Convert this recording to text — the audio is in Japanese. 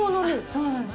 そうなんです。